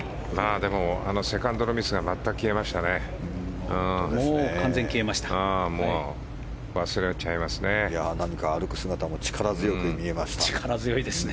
でもあのセカンドのミスが全く消えましたね。